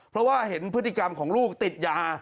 เพราะว่าเห็นพฤติกรรมของลูกติดยา